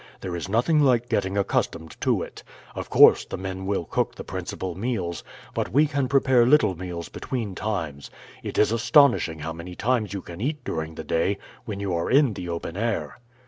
There is nothing like getting accustomed to it. Of course the men will cook the principal meals, but we can prepare little meals between times. It is astonishing how many times you can eat during the day when you are in the open air."